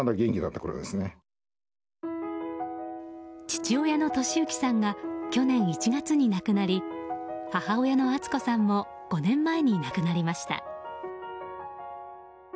父親の敏行さんが去年１月に亡くなり母親の淳子さんも５年前に亡くなりました。